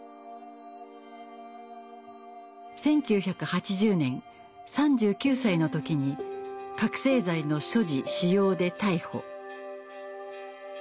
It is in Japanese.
１９８０年３９歳の時に覚せい剤の所持・使用で逮捕。